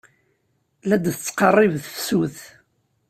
La d-tettqerrib tefsut.